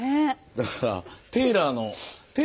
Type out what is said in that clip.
だからテーラーの方です。